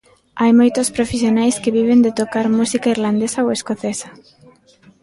Hai moitos profesionais que viven de tocar música irlandesa ou escocesa.